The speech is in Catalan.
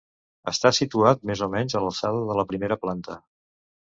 Està situat més o menys a l'alçada de la primera planta.